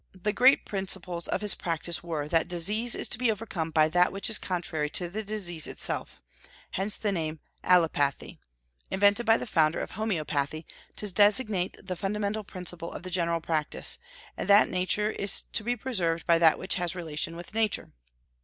The great principles of his practice were that disease is to be overcome by that which is contrary to the disease itself, hence the name Allopathy, invented by the founder of Homoeopathy to designate the fundamental principle of the general practice, and that nature is to be preserved by that which has relation with nature.